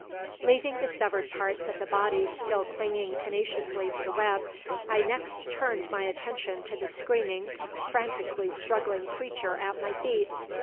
Leaving the severed parts of the body still clinging tenaciously to the web, I next turned my attention to the screaming, frantically struggling creature at my feet.